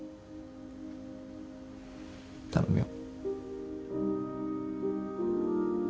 頼むよ。